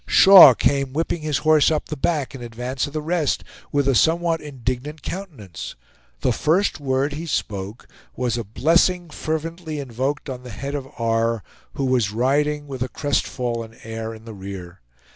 Shaw came whipping his horse up the back, in advance of the rest, with a somewhat indignant countenance. The first word he spoke was a blessing fervently invoked on the head of R., who was riding, with a crest fallen air, in the rear.